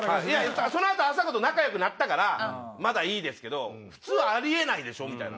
その後あさこと仲良くなったからまだいいですけど普通あり得ないでしょ？みたいな。